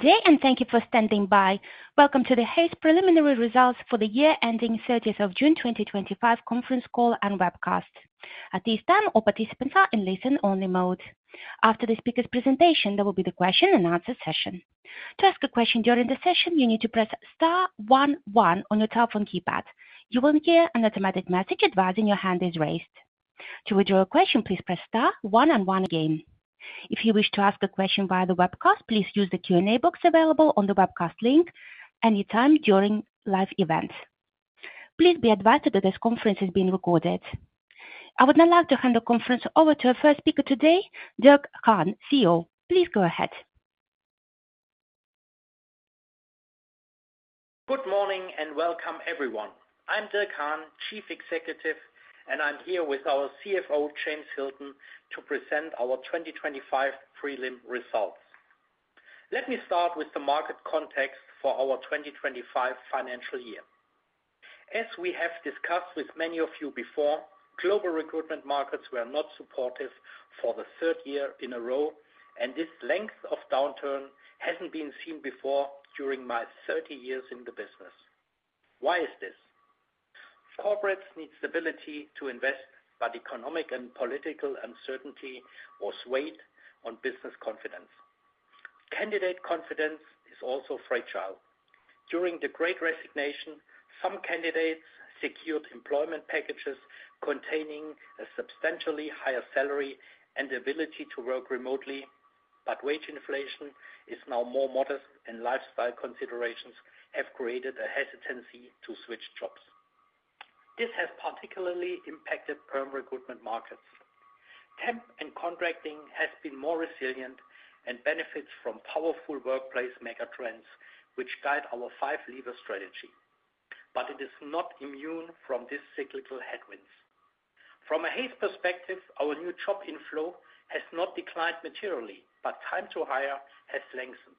Today, and thank you for standing by. Welcome to the Hays preliminary results for the year ending June 30th, 2025, conference call and webcast. At this time, all participants are in listen-only mode. After the speaker's presentation, there will be the question and answer session. To ask a question during the session, you need to press star one one on your telephone keypad. You will hear an automatic message advising your hand is raised. To withdraw a question, please press star one and one again. If you wish to ask a question via the webcast, please use the Q&A box available on the webcast link anytime during live events. Please be advised that this conference is being recorded. I would now like to hand the conference over to our first speaker today, Dirk Hahn, CEO. Please go ahead. Good morning and welcome, everyone. I'm Dirk Hahn, Chief Executive, and I'm here with our CFO, James Hilton, to present our 2025 prelim results. Let me start with the market context for our 2025 financial year. As we have discussed with many of you before, global recruitment markets were not supportive for the third year in a row, and this length of downturn hasn't been seen before during my 30 years in the business. Why is this? Corporates need stability to invest, but economic and political uncertainty has weighed on business confidence. Candidate confidence is also fragile. During the Great Resignation, some candidates secured employment packages containing a substantially higher salary and the ability to work remotely, but wage inflation is now more modest, and lifestyle considerations have created a hesitancy to switch jobs. This has particularly impacted perm recruitment markets. Temp and contracting have been more resilient and benefited from powerful workplace megatrends, which guide our five-lever strategy. It is not immune from these cyclical headwinds. From a Hays perspective, our new job inflow has not declined materially, but time to hire has lengthened.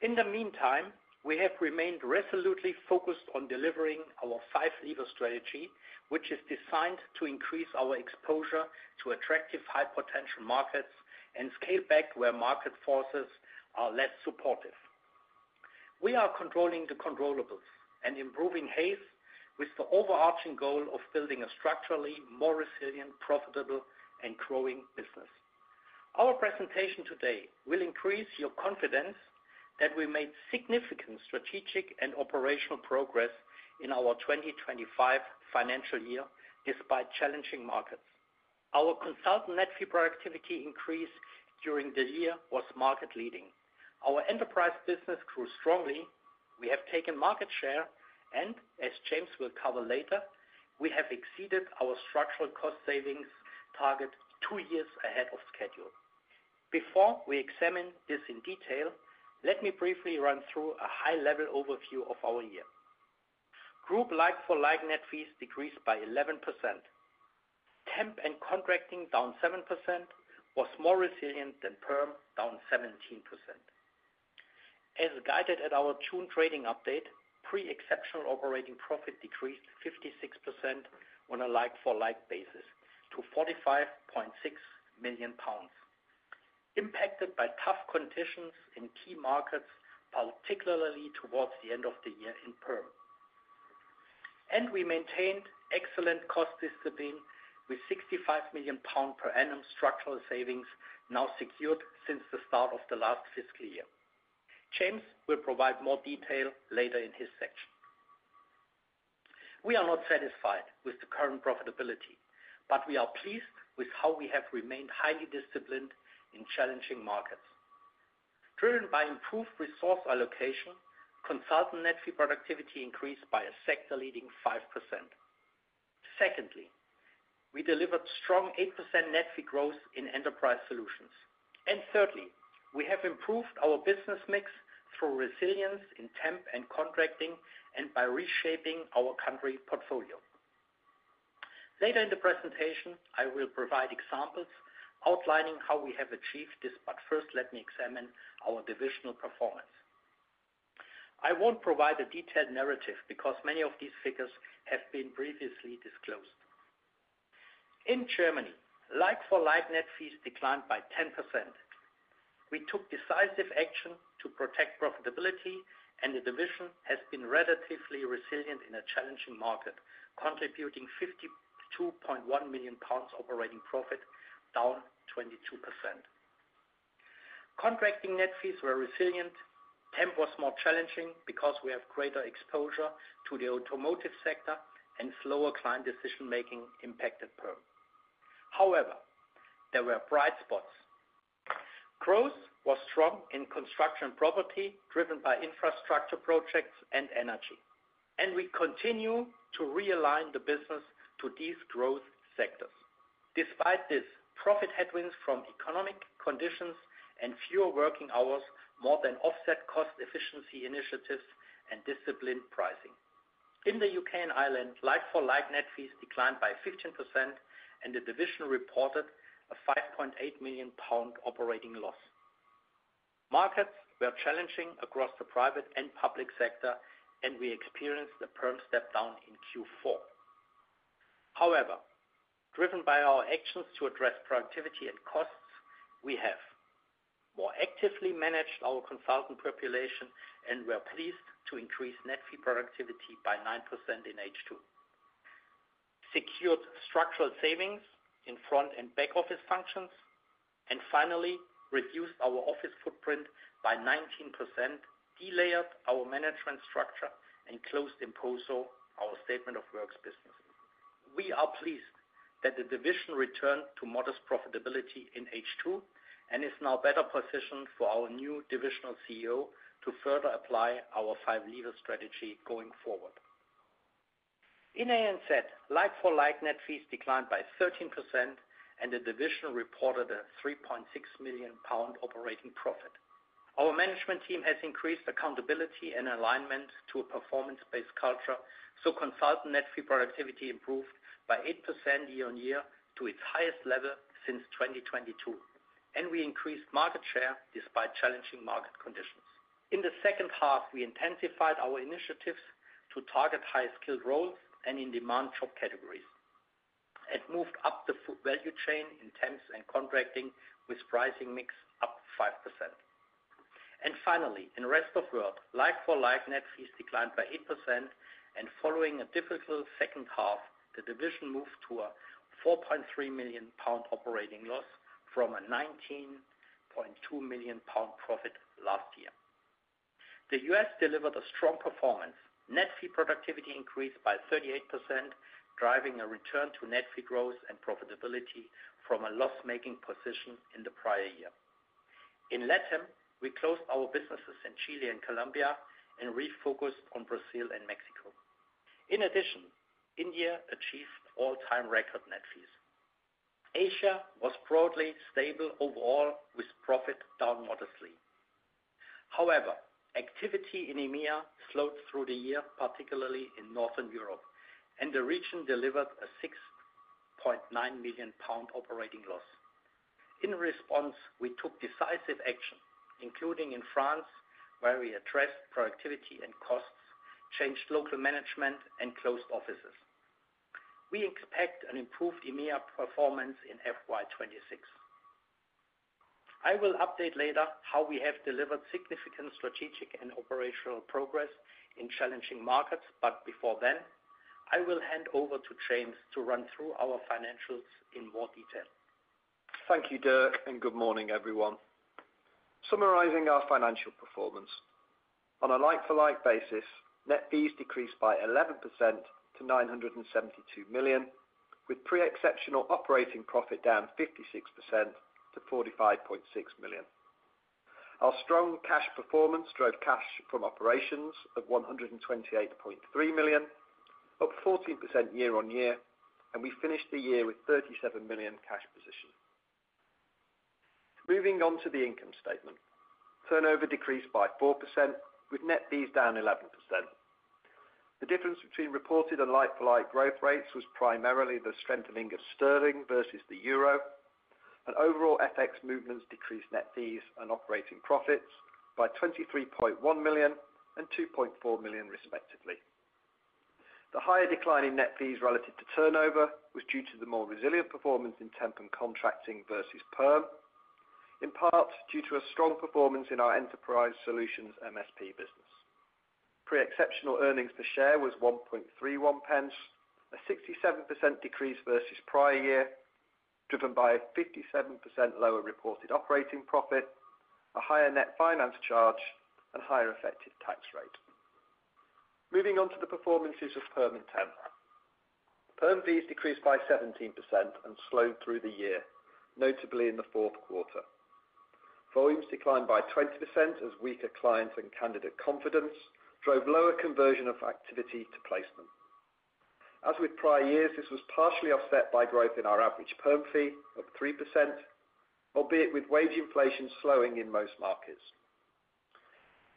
In the meantime, we have remained resolutely focused on delivering our five-lever strategy, which is designed to increase our exposure to attractive high-potential markets and scale back where market forces are less supportive. We are controlling the controllables and improving Hays with the overarching goal of building a structurally more resilient, profitable, and growing business. Our presentation today will increase your confidence that we made significant strategic and operational progress in our 2025 financial year, despite challenging markets. Our consultant net fee productivity increase during the year was market-leading. Our enterprise business grew strongly. We have taken market share, and as James will cover later, we have exceeded our structural cost savings target two years ahead of schedule. Before we examine this in detail, let me briefly run through a high-level overview of our year. Group like-for-like net fees decreased by 11%. Temp and contracting down 7% was more resilient than perm, down 17%. As guided at our June trading update, pre-exceptional operating profit decreased 56% on a like-for-like basis to 45.6 million pounds, impacted by tough conditions in key markets, particularly towards the end of the year in perm. We maintained excellent cost discipline with 65 million pounds per annum structural savings now secured since the start of the last fiscal year. James will provide more detail later in his section. We are not satisfied with the current profitability, but we are pleased with how we have remained highly disciplined in challenging markets. Driven by improved resource allocation, consultant net fee productivity increased by a sector-leading 5%. Secondly, we delivered strong 8% net fee growth in enterprise solutions. Thirdly, we have improved our business mix through resilience in temp and contracting and by reshaping our country portfolio. Later in the presentation, I will provide examples outlining how we have achieved this, but first, let me examine our divisional performance. I won't provide a detailed narrative because many of these figures have been previously disclosed. In Germany, like-for-like net fees declined by 10%. We took decisive action to protect profitability, and the division has been relatively resilient in a challenging market, contributing 52.1 million pounds operating profit, down 22%. Contracting net fees were resilient. Temp was more challenging because we have greater exposure to the automotive sector and slower client decision-making impacted perm. However, there were bright spots. Growth was strong in construction and property, driven by infrastructure projects and energy. We continue to realign the business to these growth sectors. Despite this, profit headwinds from economic conditions and fewer working hours more than offset cost efficiency initiatives and disciplined pricing. In the U.K. and Ireland, like-for-like net fees declined by 15%, and the division reported a 5.8 million pound operating loss. Markets were challenging across the private and public sector, and we experienced the perm step down in Q4. However, driven by our actions to address productivity and costs, we have more actively managed our consultant population and we're pleased to increase net fee productivity by 9% in H2. Secured structural savings in front and back office functions, and finally, reduced our office footprint by 19%, delayed our management structure, and closed Emposo, our statement of works business. We are pleased that the division returned to modest profitability in H2 and is now better positioned for our new divisional CEO to further apply our five-lever strategy going forward. In ANZ, like-for-like net fees declined by 13%, and the division reported a 3.6 million pound operating profit. Our management team has increased accountability and alignment to a performance-based culture, so consultant net fee productivity improved by 8% year-on-year to its highest level since 2022. We increased market share despite challenging market conditions. In the second half, we intensified our initiatives to target high-skilled roles and in-demand job categories and moved up the value chain in temps and contracting with a pricing mix up 5%. Finally, in the rest of the world, like-for-like net fees declined by 8%, and following a difficult second half, the division moved to a 4.3 million pound operating loss from a 19.2 million pound profit last year. The U.S. delivered a strong performance. Net fee productivity increased by 38%, driving a return to net fee growth and profitability from a loss-making position in the prior year. In LATAM, we closed our businesses in Chile and Colombia and refocused on Brazil and Mexico. In addition, India achieved all-time record net fees. Asia was broadly stable overall, with profit down modestly. However, activity in EMEA slowed through the year, particularly in Northern Europe, and the region delivered a 6.9 million pound operating loss. In response, we took decisive action, including in France, where we addressed productivity and costs, changed local management, and closed offices. We expect an improved EMEA performance in FY 2026. I will update later how we have delivered significant strategic and operational progress in challenging markets, but before then, I will hand over to James to run through our financials in more detail. Thank you, Dirk, and good morning, everyone. Summarizing our financial performance. On a like-for-like basis, net fees decreased by 11% to 972 million, with pre-exceptional operating profit down 56% to 45.6 million. Our strong cash performance drove cash from operations of 128.3 million, up 14% year-on-year, and we finished the year with a 37 million cash position. Moving on to the income statement, turnover decreased by 4%, with net fees down 11%. The difference between reported and like-for-like growth rates was primarily the strengthening of sterling versus the euro, and overall FX movements decreased net fees and operating profits by 23.1 million and 2.4 million, respectively. The higher decline in net fees relative to turnover was due to the more resilient performance in temp and contracting versus perm, in part due to a strong performance in our enterprise solutions MSP business. Pre-exceptional earnings per share was 0.0131, a 67% decrease versus prior year, driven by a 57% lower reported operating profit, a higher net finance charge, and a higher effective tax rate. Moving on to the performances of perm and temp. Perm fees decreased by 17% and slowed through the year, notably in the fourth quarter. Volumes declined by 20% as weaker client and candidate confidence drove lower conversion of activity to placement. As with prior years, this was partially offset by growth in our average perm fee, up 3%, albeit with wage inflation slowing in most markets.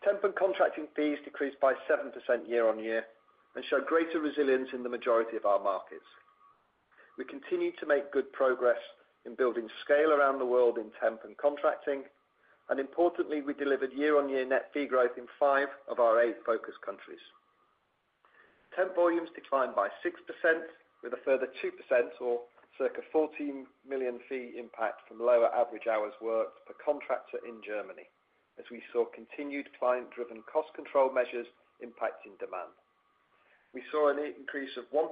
Temp and contracting fees decreased by 7% year-on-year and showed greater resilience in the majority of our markets. We continued to make good progress in building scale around the world in temp and contracting, and importantly, we delivered year-on-year net fee growth in five of our eight focus countries. Temp volumes declined by 6%, with a further 2% or circa 14 million fee impact from lower average hours worked per contractor in Germany, as we saw continued client-driven cost control measures impacting demand. We saw an increase of 1%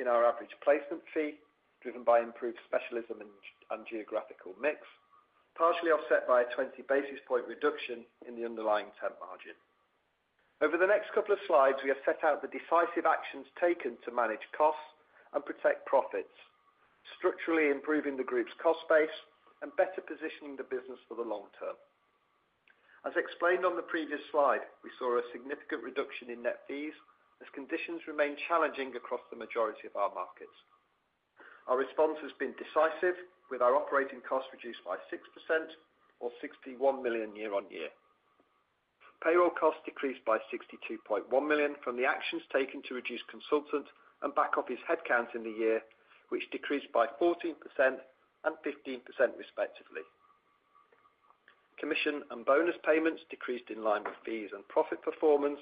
in our average placement fee, driven by improved specialism and geographical mix, partially offset by a 20 basis point reduction in the underlying temp margin. Over the next couple of slides, we have set out the decisive actions taken to manage costs and protect profits, structurally improving the group's cost base and better positioning the business for the long term. As explained on the previous slide, we saw a significant reduction in net fees as conditions remain challenging across the majority of our markets. Our response has been decisive, with our operating costs reduced by 6% or 61 million year-on-year. Payroll costs decreased by 62.1 million from the actions taken to reduce consultant and back office headcounts in the year, which decreased by 14% and 15% respectively. Commission and bonus payments decreased in line with fees and profit performance,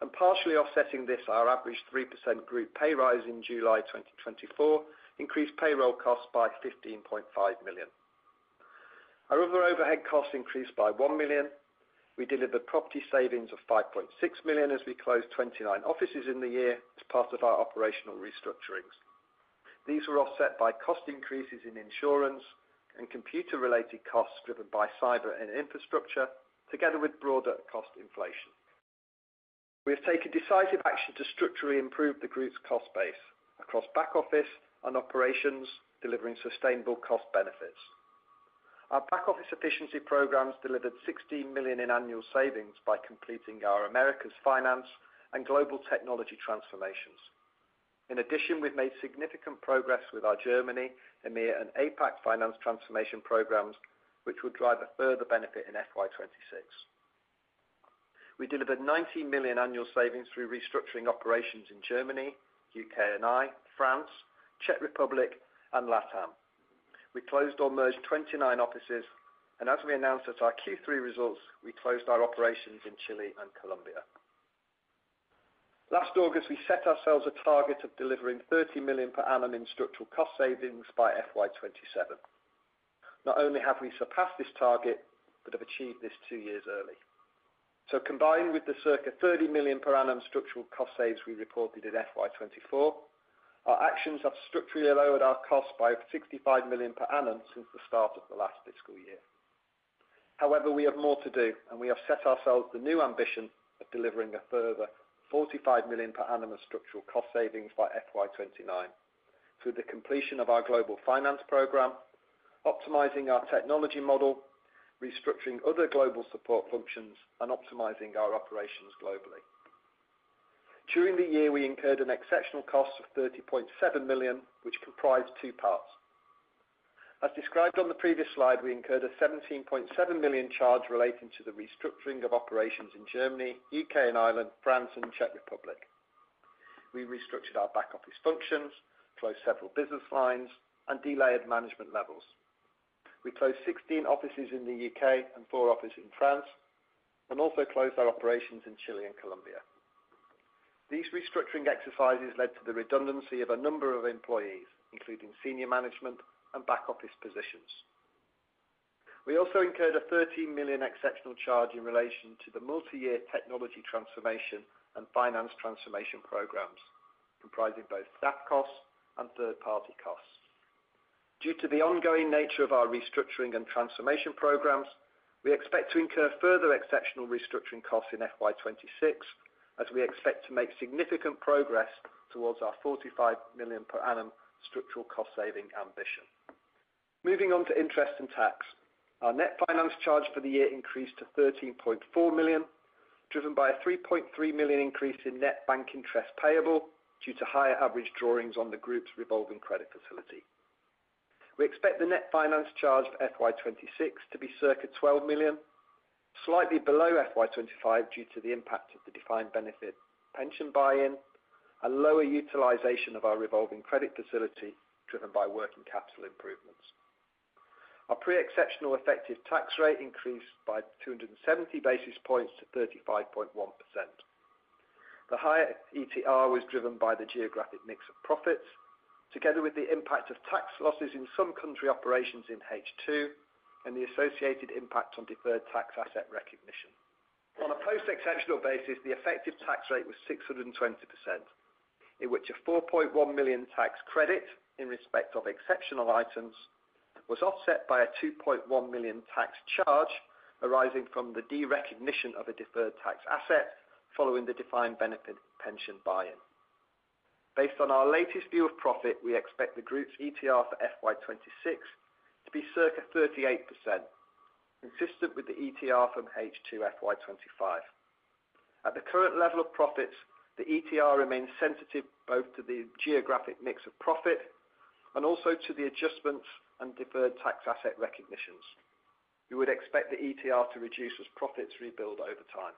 and partially offsetting this, our average 3% group pay rise in July 2024 increased payroll costs by 15.5 million. Our other overhead costs increased by 1 million. We delivered property savings of 5.6 million as we closed 29 offices in the year as part of our operational restructurings. These were offset by cost increases in insurance and computer-related costs driven by cyber and infrastructure, together with broader cost inflation. We have taken decisive action to structurally improve the group's cost base across back office and operations, delivering sustainable cost benefits. Our back office efficiency programs delivered 16 million in annual savings by completing our Americas finance and global technology transformations. In addition, we've made significant progress with our Germany, EMEA, and APAC finance transformation programs, which would drive a further benefit in FY 2026. We delivered 90 million annual savings through restructuring operations in Germany, U.K. and Ireland, France, Czech Republic, and LATAM. We closed or merged 29 offices, and as we announced at our Q3 results, we closed our operations in Chile and Colombia. Last August, we set ourselves a target of delivering 30 million per annum in structural cost savings by FY 2027. Not only have we surpassed this target, but have achieved this two years early. Combined with the circa 30 million per annum structural cost saves we reported in FY 2024, our actions have structurally lowered our costs by 65 million per annum since the start of the last fiscal year. However, we have more to do, and we have set ourselves the new ambition of delivering a further 45 million per annum of structural cost savings by FY 2029, through the completion of our global finance program, optimizing our technology model, restructuring other global support functions, and optimizing our operations globally. During the year, we incurred an exceptional cost of 30.7 million, which comprised two parts. As described on the previous slide, we incurred a 17.7 million charge relating to the restructuring of operations in Germany, U.K. and Ireland, France, and Czech Republic. We restructured our back office functions, closed several business lines, and delayed management levels. We closed 16 offices in the U.K. and four offices in France, and also closed our operations in Chile and Colombia. These restructuring exercises led to the redundancy of a number of employees, including senior management and back office positions. We also incurred a 13 million exceptional charge in relation to the multi-year technology transformation and finance transformation programs, comprising both staff costs and third-party costs. Due to the ongoing nature of our restructuring and transformation programs, we expect to incur further exceptional restructuring costs in FY 2026, as we expect to make significant progress towards our 45 million per annum structural cost saving ambition. Moving on to interest and tax, our net finance charge for the year increased to 13.4 million, driven by a 3.3 million increase in net bank interest payable due to higher average drawings on the group's revolving credit facility. We expect the net finance charge of FY 2026 to be circa 12 million, slightly below FY 2025 due to the impact of the defined benefit pension buy-in and lower utilization of our revolving credit facility, driven by working capital improvements. Our pre-exceptional effective tax rate increased by 270 basis points to 35.1%. The higher ETR was driven by the geographic mix of profits, together with the impact of tax losses in some country operations in H2 and the associated impact on deferred tax asset recognition. On a post-exceptional basis, the effective tax rate was 620%, in which a 4.1 million tax credit in respect of exceptional items was offset by a 2.1 million tax charge arising from the derecognition of a deferred tax asset following the defined benefit pension buy-in. Based on our latest view of profit, we expect the group's ETR for FY 2026 to be circa 38%, consistent with the ETR from H2 FY 2025. At the current level of profits, the ETR remains sensitive both to the geographic mix of profit and also to the adjustments and deferred tax asset recognitions. We would expect the ETR to reduce as profits rebuild over time.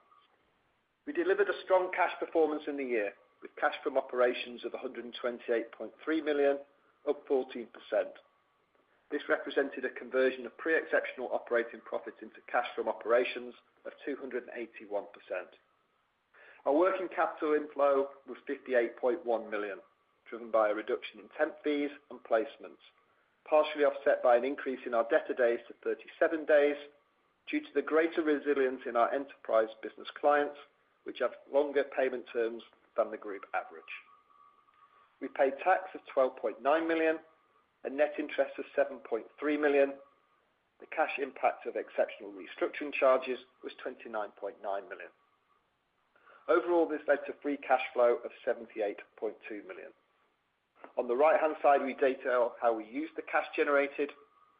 We delivered a strong cash performance in the year, with cash from operations of 128.3 million, up 14%. This represented a conversion of pre-exceptional operating profits into cash from operations of 281%. Our working capital inflow was 58.1 million, driven by a reduction in temp fees and placements, partially offset by an increase in our debtor days to 37 days due to the greater resilience in our enterprise business clients, which have longer payment terms than the group average. We paid tax of 12.9 million and net interest of 7.3 million. The cash impact of exceptional restructuring charges was 29.9 million. Overall, this led to free cash flow of 78.2 million. On the right-hand side, we detail how we used the cash generated,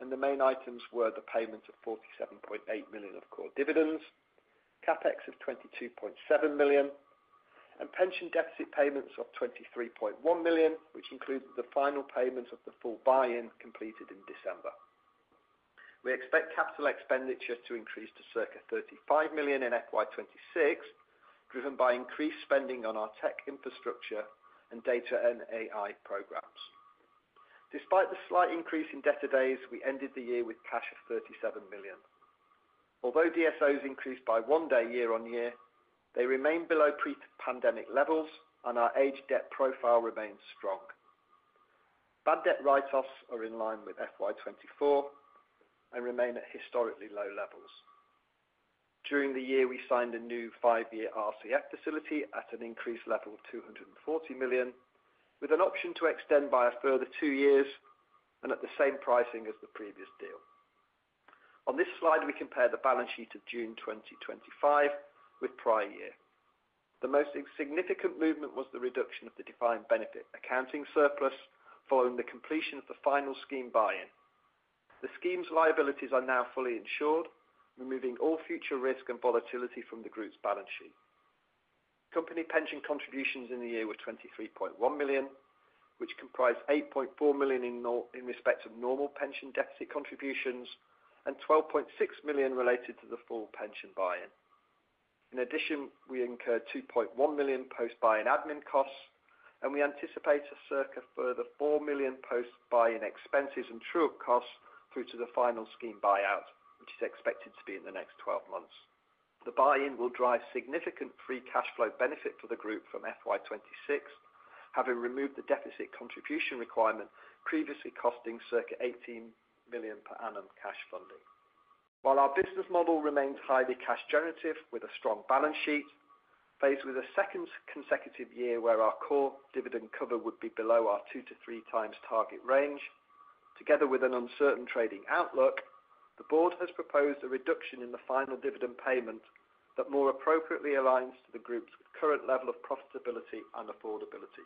and the main items were the payment of 47.8 million of core dividends, CapEx of 22.7 million, and pension deficit payments of 23.1 million, which included the final payments of the full buy-in completed in December. We expect capital expenditure to increase to circa 35 million in FY 2026, driven by increased spending on our tech infrastructure and data and AI programs. Despite the slight increase in debtor days, we ended the year with cash of 37 million. Although DSOs increased by one day year-on-year, they remain below pre-pandemic levels, and our age debt profile remains strong. Bad debt write-offs are in line with FY 2024 and remain at historically low levels. During the year, we signed a new five-year RCF facility at an increased level of 240 million, with an option to extend by a further two years and at the same pricing as the previous deal. On this slide, we compare the balance sheet of June 2025 with prior year. The most significant movement was the reduction of the defined benefit accounting surplus following the completion of the final scheme buy-in. The scheme's liabilities are now fully insured, removing all future risk and volatility from the group's balance sheet. Company pension contributions in the year were 23.1 million, which comprised 8.4 million in respect of normal pension deficit contributions and 12.6 million related to the full pension buy-in. In addition, we incurred 2.1 million post-buy-in admin costs, and we anticipate a circa further 4 million post-buy-in expenses and true costs through to the final scheme buyout, which is expected to be in the next 12 months. The buy-in will drive significant free cash flow benefit for the group from FY 2026, having removed the deficit contribution requirement previously costing circa 18 million per annum cash funding. While our business model remains highly cash generative with a strong balance sheet, faced with a second consecutive year where our core dividend cover would be below our 2x-3x target range, together with an uncertain trading outlook, the board has proposed a reduction in the final dividend payment that more appropriately aligns to the group's current level of profitability and affordability.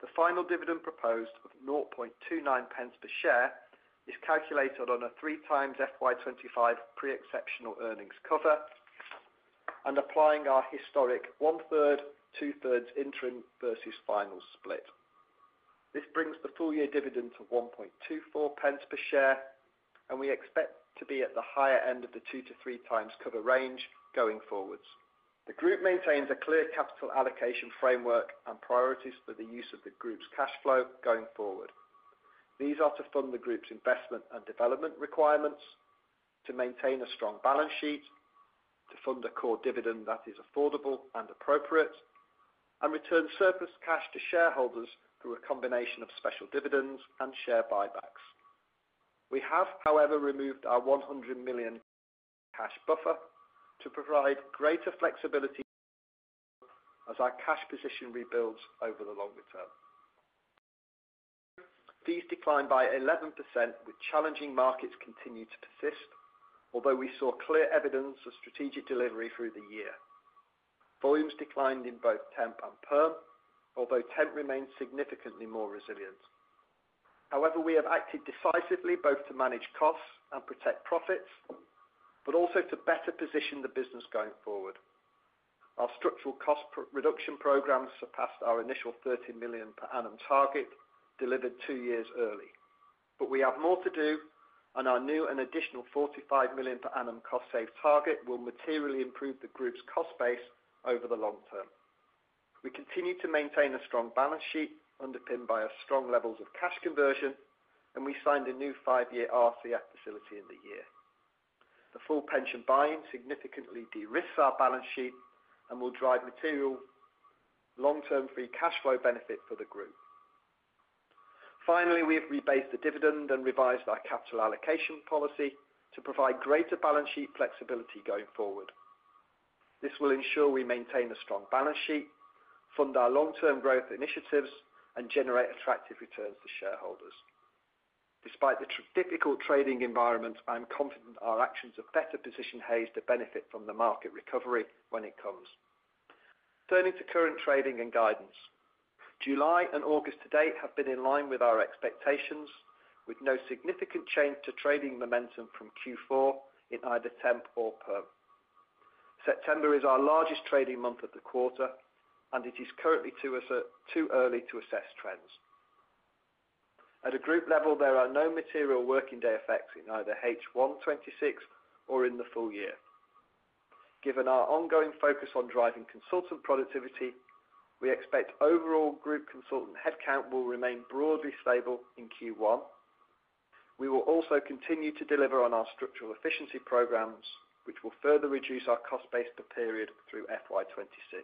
The final dividend proposed of 0.0029 per share is calculated on a 3x FY 2025 pre-exceptional earnings cover and applying our historic 1/3, 2/3 interim versus final split. This brings the full year dividend to 0.0124 per share, and we expect to be at the higher end of the 2x-3x cover range going forwards. The group maintains a clear capital allocation framework and priorities for the use of the group's cash flow going forward. These are to fund the group's investment and development requirements, to maintain a strong balance sheet, to fund a core dividend that is affordable and appropriate, and return surplus cash to shareholders through a combination of special dividends and share buybacks. We have, however, removed our 100 million cash buffer to provide greater flexibility as our cash position rebuilds over the longer term. These declined by 11%, with challenging markets continuing to persist, although we saw clear evidence of strategic delivery through the year. Volumes declined in both temp and perm, although temp remains significantly more resilient. However, we have acted decisively both to manage costs and protect profits, but also to better position the business going forward. Our structural cost reduction programs surpassed our initial 30 million per annum target delivered two years early, but we have more to do, and our new and additional 45 million per annum cost save target will materially improve the group's cost base over the long term. We continue to maintain a strong balance sheet underpinned by our strong levels of cash conversion, and we signed a new five-year RCF facility in the year. The full pension buy-in significantly de-risked our balance sheet and will drive material long-term free cash flow benefit for the group. Finally, we have rebased the dividend and revised our capital allocation policy to provide greater balance sheet flexibility going forward. This will ensure we maintain a strong balance sheet, fund our long-term growth initiatives, and generate attractive returns to shareholders. Despite the difficult trading environment, I am confident our actions have better positioned Hays to benefit from the market recovery when it comes. Turning to current trading and guidance, July and August to date have been in line with our expectations, with no significant change to trading momentum from Q4 in either temp or perm. September is our largest trading month of the quarter, and it is currently too early to assess trends. At a group level, there are no material working day effects in either H1, 2026, or in the full year. Given our ongoing focus on driving consultant productivity, we expect overall group consultant headcount will remain broadly stable in Q1. We will also continue to deliver on our structural efficiency programs, which will further reduce our cost base period through FY 2026.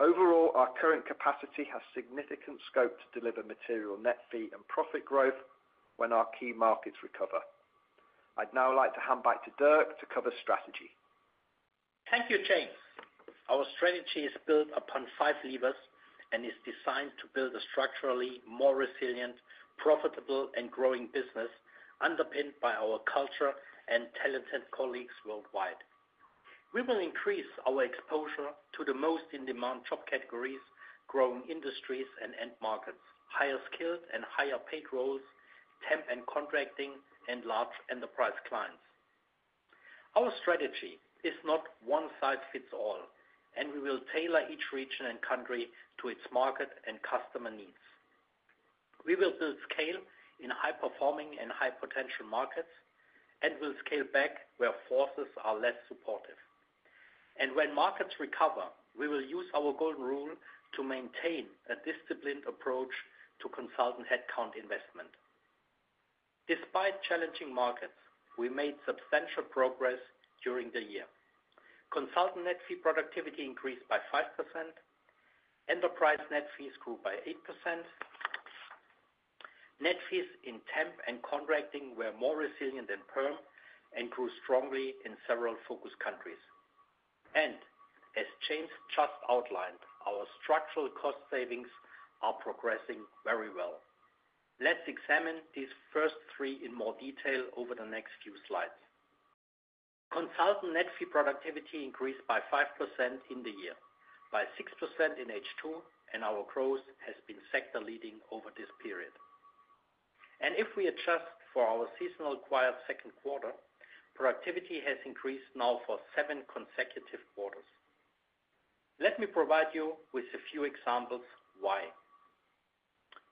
Overall, our current capacity has significant scope to deliver material net fee and profit growth when our key markets recover. I'd now like to hand back to Dirk to cover strategy. Thank you, James. Our strategy is built upon five levers and is designed to build a structurally more resilient, profitable, and growing business underpinned by our culture and talented colleagues worldwide. We will increase our exposure to the most in-demand job categories, growing industries and end markets, higher skilled and higher paid roles, temp and contracting, and large enterprise clients. Our strategy is not one-size-fits-all, and we will tailor each region and country to its market and customer needs. We will build scale in high-performing and high-potential markets and will scale back where forces are less supportive. When markets recover, we will use our golden rule to maintain a disciplined approach to consultant headcount investment. Despite challenging markets, we made substantial progress during the year. Consultant net fee productivity increased by 5%. Enterprise net fees grew by 8%. Net fees in temp and contracting were more resilient than perm and grew strongly in several focus countries. As James just outlined, our structural cost savings are progressing very well. Let's examine these first three in more detail over the next few slides. Consultant net fee productivity increased by 5% in the year, by 6% in H2, and our growth has been sector-leading over this period. If we adjust for our seasonally acquired second quarter, productivity has increased now for seven consecutive quarters. Let me provide you with a few examples why.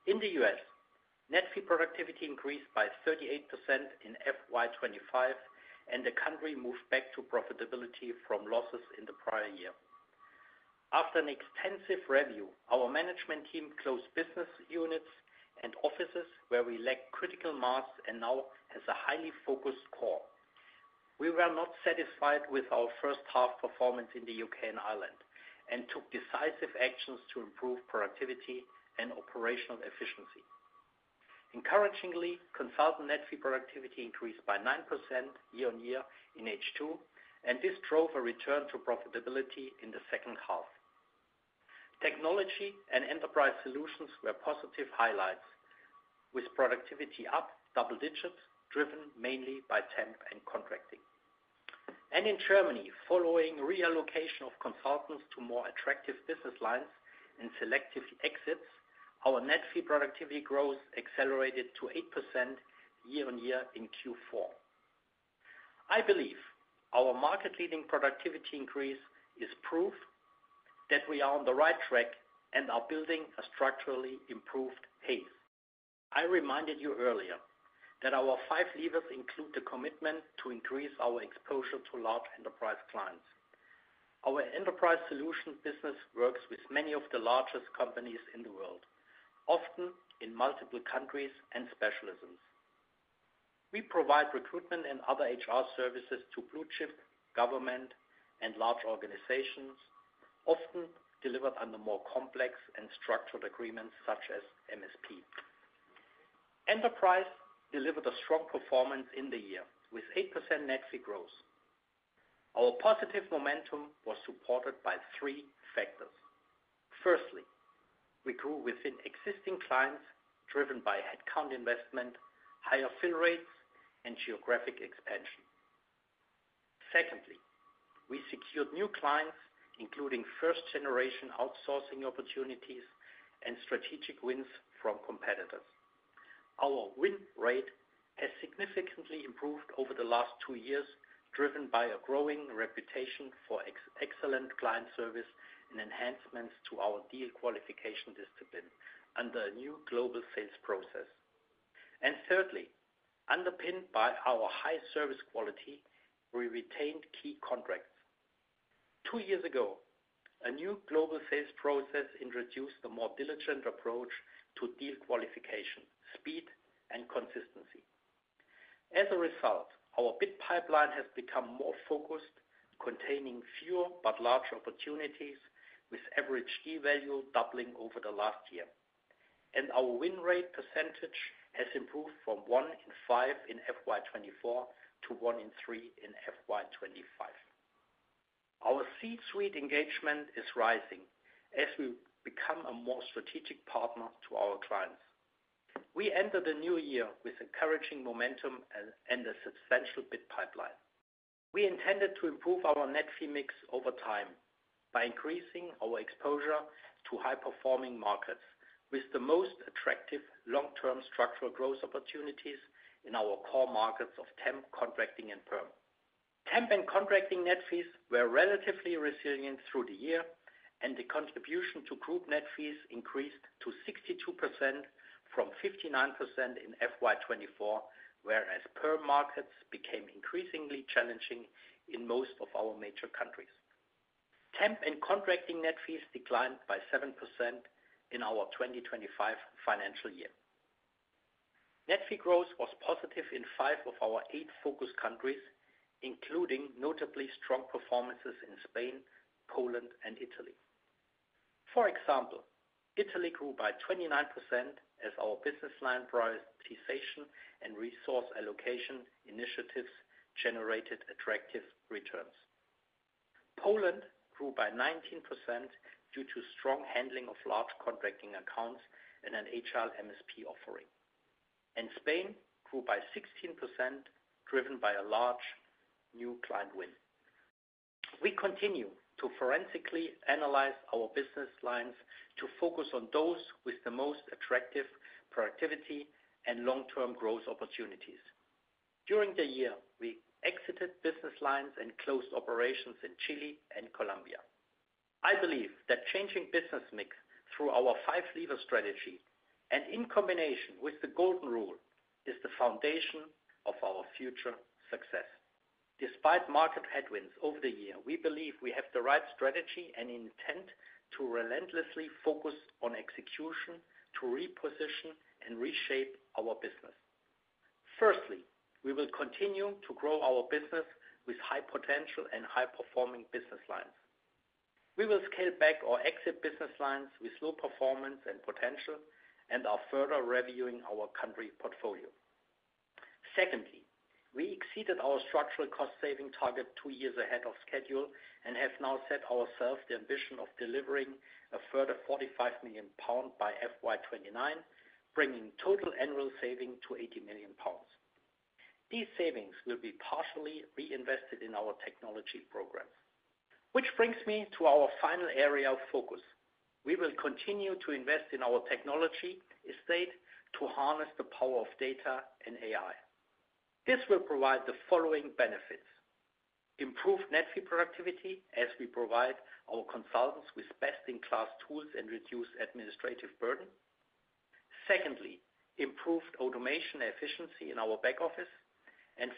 In the US, net fee productivity increased by 38% in FY 2025, and the country moved back to profitability from losses in the prior year. After an extensive review, our management team closed business units and offices where we lacked critical mass and now have a highly focused core. We were not satisfied with our first half performance in the U.K. and Ireland and took decisive actions to improve productivity and operational efficiency. Encouragingly, consultant net fee productivity increased by 9% year-on-year in H2, and this drove a return to profitability in the second half. Technology and enterprise solutions were positive highlights, with productivity up double digits, driven mainly by temp and contracting. In Germany, following reallocation of consultants to more attractive business lines and selective exits, our net fee productivity growth accelerated to 8% year-on-year in Q4. I believe our market-leading productivity increase is proof that we are on the right track and are building a structurally improved Hays. I reminded you earlier that our five levers include the commitment to increase our exposure to large enterprise clients. Our enterprise solutions business works with many of the largest companies in the world, often in multiple countries and specialisms. We provide recruitment and other HR services to blue-chip government and large organizations, often delivered under more complex and structured agreements such as MSP. Enterprise delivered a strong performance in the year with 8% net fee growth. Our positive momentum was supported by three factors. Firstly, we grew within existing clients, driven by headcount investment, higher fill rates, and geographic expansion. Secondly, we secured new clients, including first-generation outsourcing opportunities and strategic wins from competitors. Our win rate has significantly improved over the last two years, driven by a growing reputation for excellent client service and enhancements to our deal qualification discipline under a new global sales process. Thirdly, underpinned by our high service quality, we retained key contracts. Two years ago, a new global sales process introduced a more diligent approach to deal qualification, speed, and consistency. As a result, our bid pipeline has become more focused, containing fewer but larger opportunities, with average deal value doubling over the last year. Our win rate percentage has improved from one in five in FY 2024 to one in three in FY 2025. Our C-suite engagement is rising as we become a more strategic partner to our clients. We enter the new year with encouraging momentum and a substantial bid pipeline. We intended to improve our net fee mix over time by increasing our exposure to high-performing markets with the most attractive long-term structural growth opportunities in our core markets of temp, contracting, and perm. Temp and contracting net fees were relatively resilient through the year, and the contribution to group net fees increased to 62% from 59% in FY 2024, whereas perm markets became increasingly challenging in most of our major countries. Temp and contracting net fees declined by 7% in our 2025 financial year. Net fee growth was positive in five of our eight focus countries, including notably strong performances in Spain, Poland, and Italy. For example, Italy grew by 29% as our business line prioritization and resource allocation initiatives generated attractive returns. Poland grew by 19% due to strong handling of large contracting accounts and an HR MSP offering. Spain grew by 16%, driven by a large new client win. We continue to forensically analyze our business lines to focus on those with the most attractive productivity and long-term growth opportunities. During the year, we exited business lines and closed operations in Chile and Colombia. I believe that changing business mix through our five-lever strategy and in combination with the golden rule is the foundation of our future success. Despite market headwinds over the year, we believe we have the right strategy and intent to relentlessly focus on execution to reposition and reshape our business. Firstly, we will continue to grow our business with high potential and high-performing business lines. We will scale back or exit business lines with slow performance and potential and are further reviewing our country portfolio. Secondly, we exceeded our structural cost-saving target two years ahead of schedule and have now set ourselves the ambition of delivering a further 45 million pounds by FY 2029, bringing total annual saving to 80 million pounds. These savings will be partially reinvested in our technology programs. Which brings me to our final area of focus. We will continue to invest in our technology estate to harness the power of data and AI. This will provide the following benefits: improved net fee productivity as we provide our consultants with best-in-class tools and reduce administrative burden. Secondly, improved automation efficiency in our back office.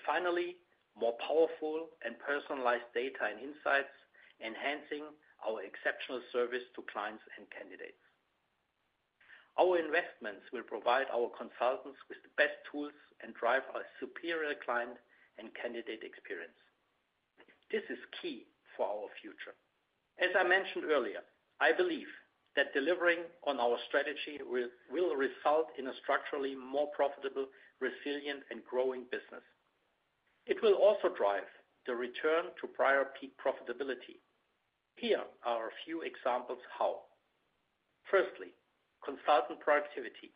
Finally, more powerful and personalized data and insights, enhancing our exceptional service to clients and candidates. Our investments will provide our consultants with the best tools and drive our superior client and candidate experience. This is key for our future. As I mentioned earlier, I believe that delivering on our strategy will result in a structurally more profitable, resilient, and growing business. It will also drive the return to prior peak profitability. Here are a few examples of how. Firstly, consultant productivity.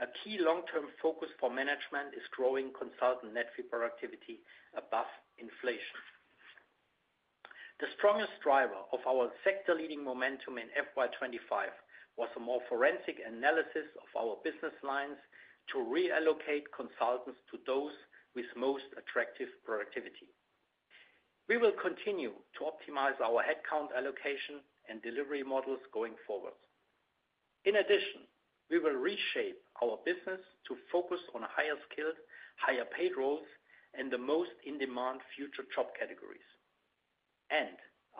A key long-term focus for management is growing consultant net fee productivity above inflation. The strongest driver of our sector-leading momentum in FY 2025 was a more forensic analysis of our business lines to reallocate consultants to those with most attractive productivity. We will continue to optimize our headcount allocation and delivery models going forward. In addition, we will reshape our business to focus on higher skilled, higher paid roles and the most in-demand future job categories.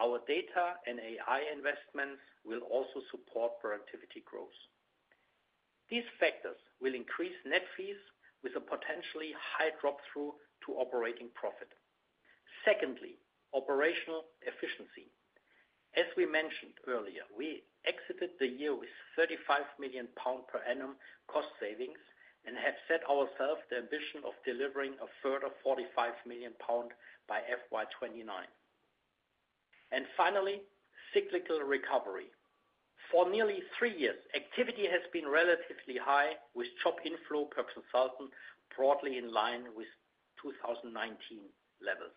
Our data and AI investments will also support productivity growth. These factors will increase net fees with a potentially high drop-through to operating profit. Secondly, operational efficiency. As we mentioned earlier, we exited the year with 35 million pounds per annum cost savings and have set ourselves the ambition of delivering a further 45 million pounds by FY 2029. Finally, cyclical recovery. For nearly three years, activity has been relatively high with job inflow per consultant broadly in line with 2019 levels.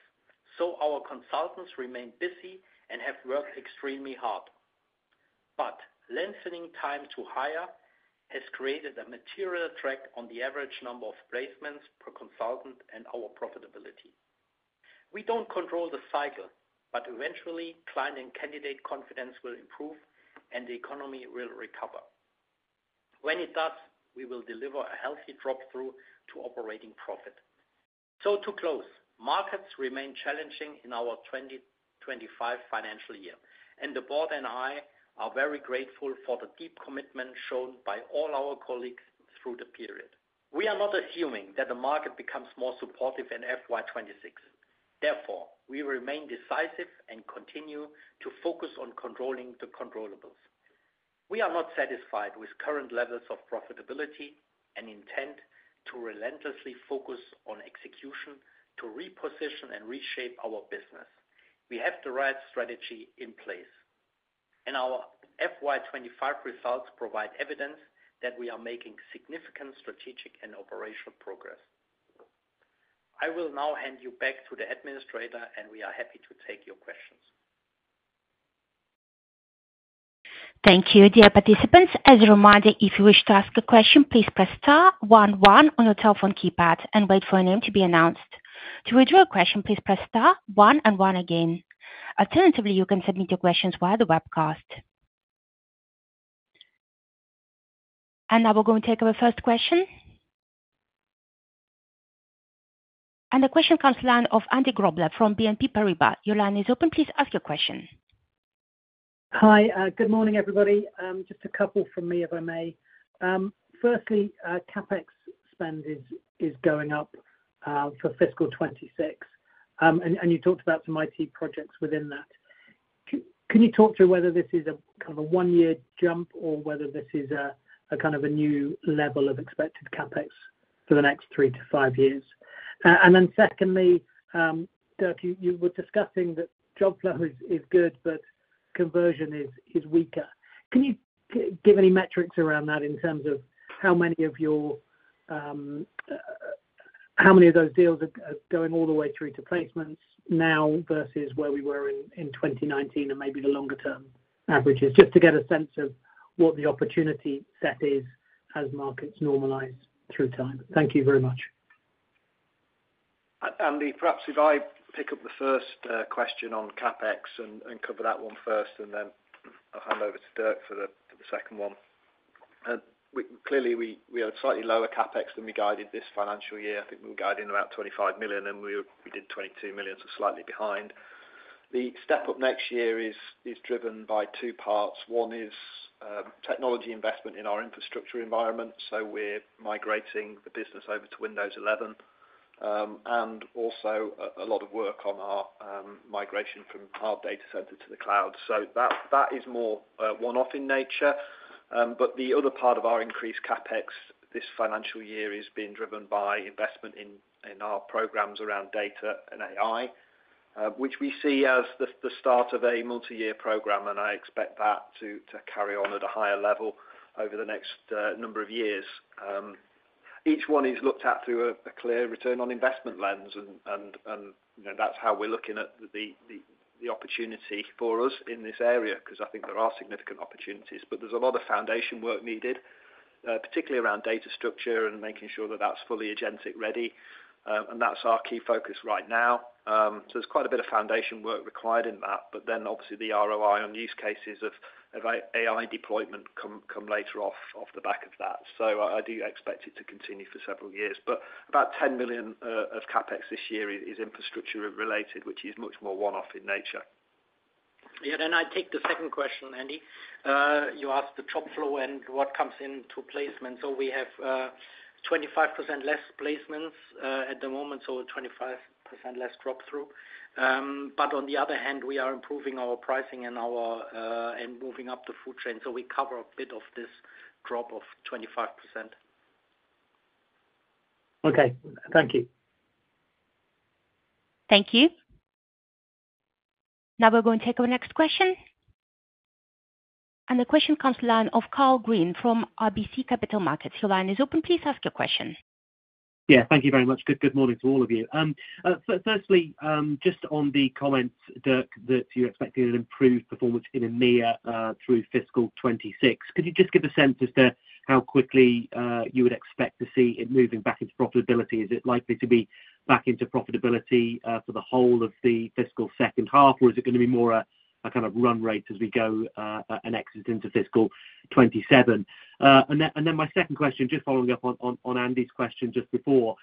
Our consultants remain busy and have worked extremely hard. Lengthening time to hire has created a material drag on the average number of placements per consultant and our profitability. We don't control the cycle, but eventually, client and candidate confidence will improve and the economy will recover. When it does, we will deliver a healthy drop-through to operating profit. To close, markets remain challenging in our 2025 financial year, and the board and I are very grateful for the deep commitment shown by all our colleagues through the period. We are not assuming that the market becomes more supportive in FY 2026. Therefore, we remain decisive and continue to focus on controlling the controllables. We are not satisfied with current levels of profitability and intent to relentlessly focus on execution to reposition and reshape our business. We have the right strategy in place, and our FY 2025 results provide evidence that we are making significant strategic and operational progress. I will now hand you back to the administrator, and we are happy to take your questions. Thank you, dear participants. As a reminder, if you wish to ask a question, please press star one, one on your telephone keypad and wait for your name to be announced. To withdraw a question, please press star one and one again. Alternatively, you can submit your questions via the webcast. We are going to take our first question. The question comes to the line of Andy Grobler from BNP Paribas. Your line is open. Please ask your question. Hi. Good morning, everybody. Just a couple from me, if I may. Firstly, CapEx spend is going up for fiscal 2026. You talked about some IT projects within that. Can you talk to whether this is a kind of a one-year jump or whether this is a kind of a new level of expected CapEx for the next three to five years? Secondly, Dirk, you were discussing that job flow is good, but conversion is weaker. Can you give any metrics around that in terms of how many of those deals are going all the way through to placements now versus where we were in 2019 and maybe the longer-term averages? Just to get a sense of what the opportunity set is as markets normalize through time. Thank you very much. Andy, perhaps if I pick up the first question on CapEx and cover that one first, I'll hand over to Dirk for the second one. Clearly, we had slightly lower CapEx than we guided this financial year. I think we were guiding about 25 million, and we did 22 million, so slightly behind. The step up next year is driven by two parts. One is technology investment in our infrastructure environment. We're migrating the business over to Windows 11, and also a lot of work on our migration from our data center to the cloud. That is more one-off in nature. The other part of our increased CapEx this financial year is being driven by investment in our programs around data and AI, which we see as the start of a multi-year program, and I expect that to carry on at a higher level over the next number of years. Each one is looked at through a clear return on investment lens, and that's how we're looking at the opportunity for us in this area because I think there are significant opportunities. There's a lot of foundation work needed, particularly around data structure and making sure that that's fully agentic ready, and that's our key focus right now. There's quite a bit of foundation work required in that, obviously the ROI on use cases of AI deployment come later off the back of that. I do expect it to continue for several years. About 10 million of CapEx this year is infrastructure related, which is much more one-off in nature. I take the second question, Andy. You asked the job flow and what comes into placement. We have 25% less placements at the moment, 25% less drop-through. On the other hand, we are improving our pricing and moving up the food chain. We cover a bit of this drop of 25%. Okay, thank you. Thank you. Now we're going to take our next question. The question comes to the line of Karl Green from RBC Capital Markets. Your line is open. Please ask your question. Thank you very much. Good morning to all of you. Firstly, just on the comment that you're expecting an improved performance in EMEA through fiscal 2026, could you just give the sense as to how quickly you would expect to see it moving back into profitability? Is it likely to be back into profitability for the whole of the fiscal second half, or is it going to be more a kind of run rate as we go and exit into fiscal 2027? My second question, just following up on Andy's question just before,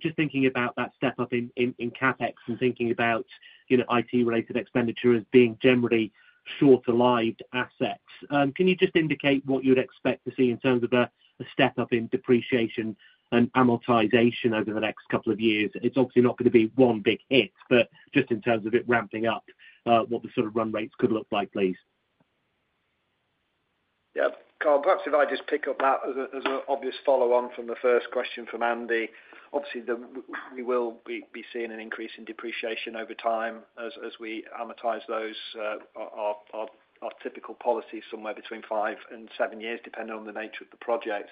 just thinking about that step up in CapEx and thinking about IT-related expenditures being generally shorter-lived assets. Can you just indicate what you'd expect to see in terms of a step up in depreciation and amortization over the next couple of years? It's obviously not going to be one big hit, but just in terms of it ramping up, what the sort of run rates could look like, please. Karl, perhaps if I just pick up that as an obvious follow-on from the first question from Andy. Obviously, we will be seeing an increase in depreciation over time as we amortize those. Our typical policy is somewhere between five and seven years, depending on the nature of the project.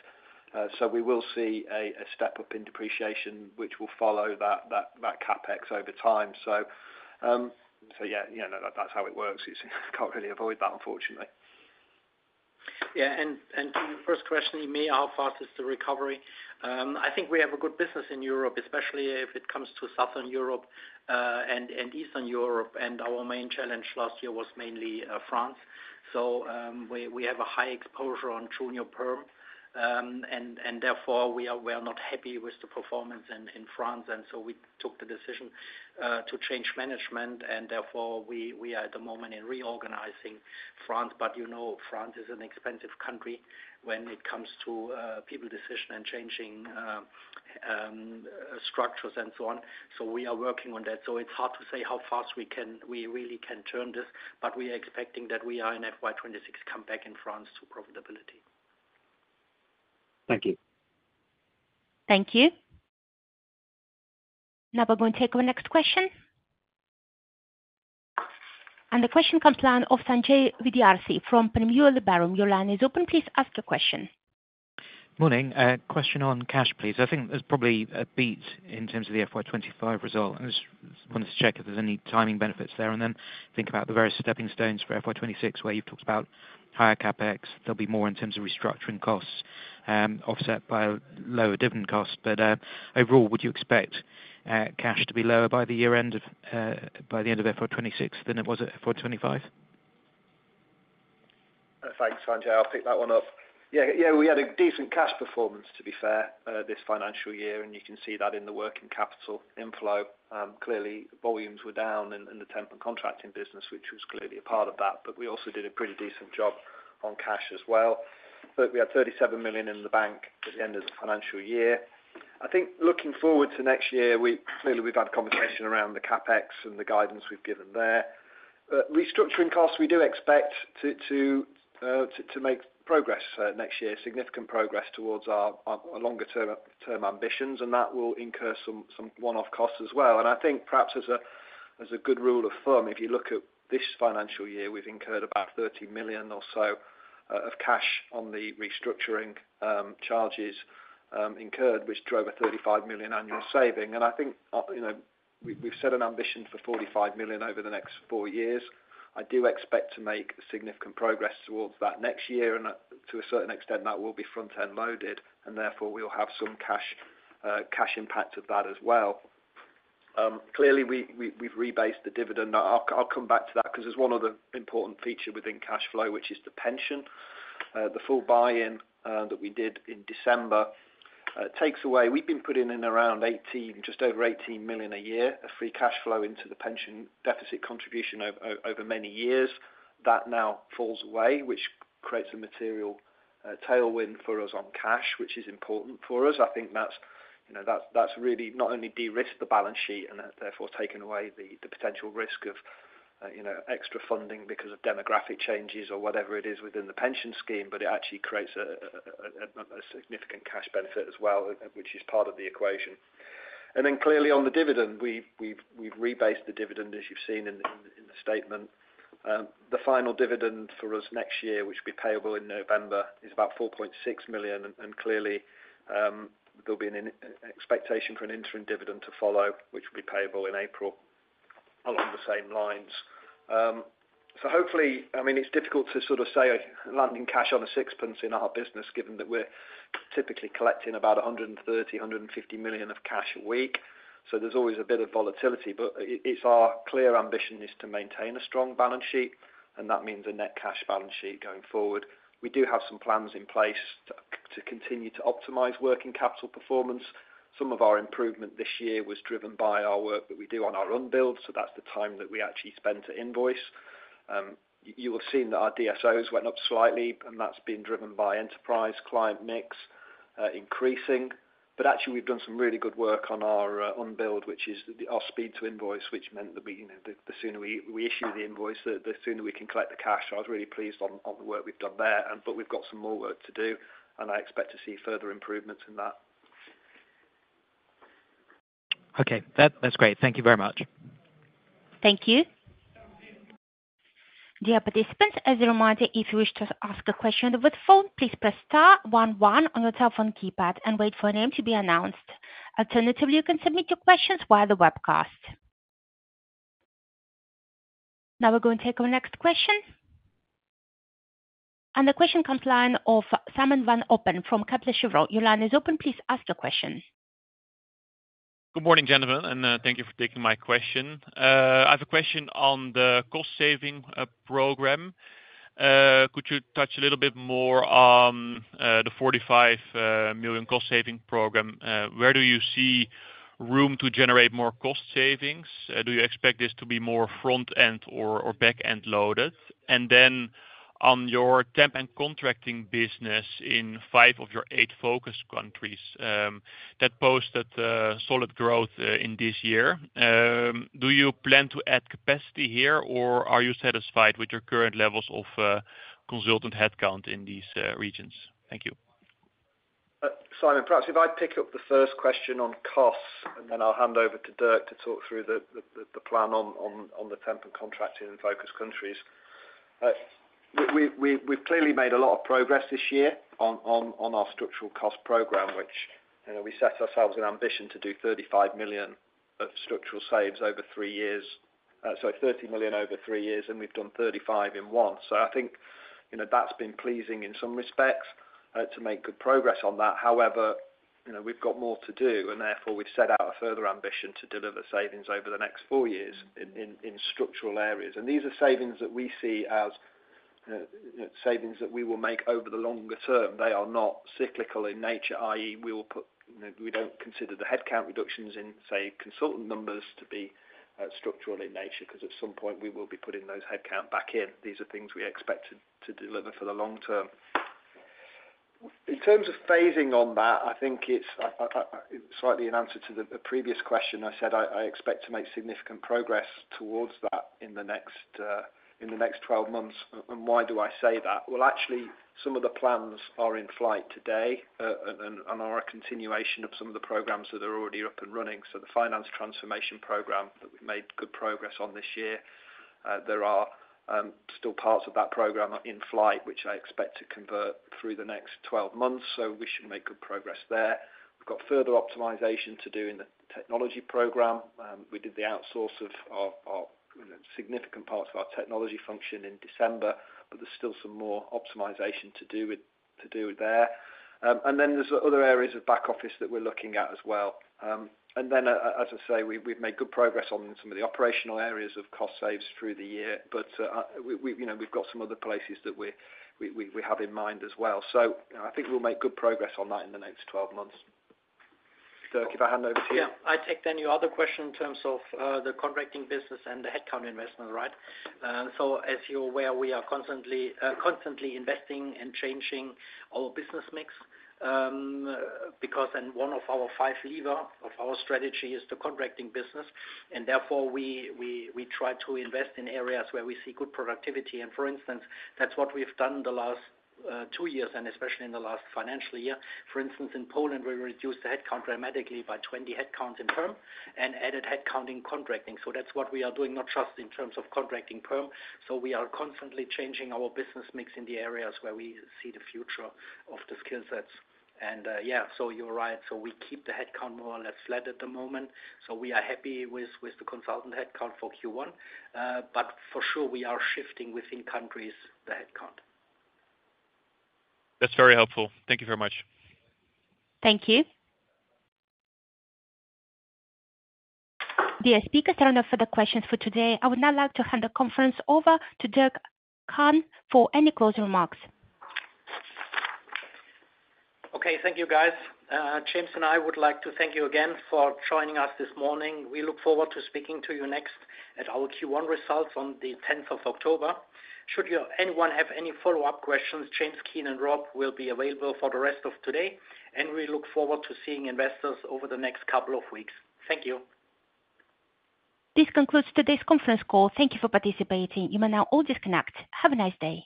We will see a step up in depreciation, which will follow that CapEx over time. That's how it works. You can't really avoid that, unfortunately. Yeah, and to your first question, EMEA, how fast is the recovery? I think we have a good business in Europe, especially if it comes to Southern Europe and Eastern Europe. Our main challenge last year was mainly France. We have a high exposure on junior perm, and therefore, we are not happy with the performance in France. We took the decision to change management, and therefore, we are at the moment reorganizing France. You know France is an expensive country when it comes to people decisions and changing structures and so on. We are working on that. It's hard to say how fast we really can turn this, but we are expecting that we are in FY 2026 come back in France to profitability. Thank you. Thank you. Now we're going to take our next question. The question comes to the line of Sanjay Vidyarthi from Panmure Liberum. Your line is open. Please ask your question. Morning. Question on cash, please. I think there's probably a beat in terms of the FY 2025 result. I just wanted to check if there's any timing benefits there, and then think about the various stepping stones for FY 2026, where you've talked about higher CapEx. There'll be more in terms of restructuring costs offset by lower dividend costs. Overall, would you expect cash to be lower by the year-end or by the end of FY 2026 than it was at FY 2025? Thanks, Sanjay. I'll pick that one up. We had a decent cash performance, to be fair, this financial year, and you can see that in the working capital inflow. Clearly, volumes were down in the temp and contracting business, which was a part of that. We also did a pretty decent job on cash as well. We had 37 million in the bank at the end of the financial year. I think looking forward to next year, we've had a conversation around the CapEx and the guidance we've given there. Restructuring costs, we do expect to make progress next year, significant progress towards our longer-term ambitions, and that will incur some one-off costs as well. Perhaps as a good rule of thumb, if you look at this financial year, we've incurred about 30 million or so of cash on the restructuring charges incurred, which drove a 35 million annual saving. We've set an ambition for 45 million over the next four years. I do expect to make significant progress towards that next year, and to a certain extent, that will be front-end loaded, and therefore, we'll have some cash impact of that as well. We've rebased the dividend. I'll come back to that because there's one other important feature within cash flow, which is the pension. The full buy-in that we did in December takes away we've been putting in around 18 million, just over 18 million a year of free cash flow into the pension deficit contribution over many years. That now falls away, which creates a material tailwind for us on cash, which is important for us. I think that's really not only de-risked the balance sheet and therefore taken away the potential risk of extra funding because of demographic changes or whatever it is within the pension scheme, but it actually creates a significant cash benefit as well, which is part of the equation. On the dividend, we've rebased the dividend, as you've seen in the statement. The final dividend for us next year, which will be payable in November, is about 4.6 million, and there'll be an expectation for an interim dividend to follow, which will be payable in April along the same lines. Hopefully, I mean, it's difficult to sort of say landing cash on a sixpence in our business, given that we're typically collecting about 130 million, 150 million of cash a week. There is always a bit of volatility, but our clear ambition is to maintain a strong balance sheet, and that means a net cash balance sheet going forward. We do have some plans in place to continue to optimize working capital performance. Some of our improvement this year was driven by our work that we do on our unbilled. That is the time that we actually spend to invoice. You will have seen that our DSOs went up slightly, and that's been driven by enterprise client mix increasing. Actually, we've done some really good work on our unbilled, which is our speed to invoice, which meant that the sooner we issue the invoice, the sooner we can collect the cash. I was really pleased on the work we've done there, but we've got some more work to do, and I expect to see further improvements in that. Okay, that's great. Thank you very much. Thank you. Dear participants, as a reminder, if you wish to ask a question over the phone, please press star one, one on your telephone keypad and wait for your name to be announced. Alternatively, you can submit your questions via the webcast. Now we're going to take our next question. The question comes from the line of Simon van Oppen from Kepler Cheuvreux. Your line is open. Please ask your question. Good morning, gentlemen, and thank you for taking my question. I have a question on the cost-saving program. Could you touch a little bit more on the 45 million cost-saving program? Where do you see room to generate more cost savings? Do you expect this to be more front-end or back-end loaded? On your temp and contracting business in five of your eight focus countries that posted solid growth in this year, do you plan to add capacity here, or are you satisfied with your current levels of consultant headcount in these regions? Thank you. Simon, perhaps if I pick up the first question on costs, and then I'll hand over to Dirk to talk through the plan on the temp and contracting in focus countries. We've clearly made a lot of progress this year on our structural cost program, which we set ourselves an ambition to do 35 million of structural saves over three years. 30 million over three years, and we've done 35 million in one. I think that's been pleasing in some respects to make good progress on that. However, we've got more to do, and therefore, we've set out a further ambition to deliver savings over the next four years in structural areas. These are savings that we see as savings that we will make over the longer term. They are not cyclical in nature, i.e., we don't consider the headcount reductions in, say, consultant numbers to be structural in nature because at some point, we will be putting those headcount back in. These are things we expect to deliver for the long term. In terms of phasing on that, I think it's slightly in answer to the previous question. I said I expect to make significant progress towards that in the next 12 months. Why do I say that? Actually, some of the plans are in flight today and are a continuation of some of the programs that are already up and running. The finance transformation program that we've made good progress on this year, there are still parts of that program in flight, which I expect to convert through the next 12 months. We should make good progress there. We've got further optimization to do in the technology program. We did the outsource of significant parts of our technology function in December, but there's still some more optimization to do there. There are other areas of back office that we're looking at as well. We've made good progress on some of the operational areas of cost saves through the year, but we've got some other places that we have in mind as well. I think we'll make good progress on that in the next 12 months. Dirk, if I hand over to you. I take then your other question in terms of the contracting business and the headcount investment, right? As you're aware, we are constantly investing and changing our business mix because one of our five levers of our strategy is the contracting business. Therefore, we try to invest in areas where we see good productivity. For instance, that's what we've done in the last two years, and especially in the last financial year. For instance, in Poland, we reduced the headcount dramatically by 20 headcount in perm and added headcount in contracting. That's what we are doing, not just in terms of contracting perm. We are constantly changing our business mix in the areas where we see the future of the skill sets. You're right. We keep the headcount more or less flat at the moment. We are happy with the consultant headcount for Q1. For sure, we are shifting within countries the headcount. That's very helpful. Thank you very much. Thank you. The speakers don't have further questions for today. I would now like to hand the conference over to Dirk Hahn for any closing remarks. Okay. Thank you, guys. James and I would like to thank you again for joining us this morning. We look forward to speaking to you next at our Q1 results on the 10th of October. Should anyone have any follow-up questions, James, Kean, and Rob will be available for the rest of today. We look forward to seeing investors over the next couple of weeks. Thank you. This concludes today's conference call. Thank you for participating. You may now all disconnect. Have a nice day.